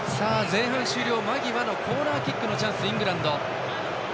前半終了間際のコーナーキックのチャンス、イングランド。